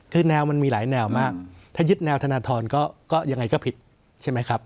คือแนวมันมีหลายแนวมากถ้ายึดแนวธนทรก็ยังไงก็ผิดใช่ไหมครับ